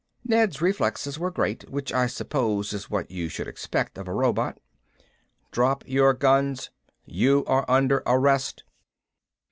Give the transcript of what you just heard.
Ned's reflexes were great. Which I suppose is what you should expect of a robot. "DROP YOUR GUNS, YOU ARE UNDER ARREST."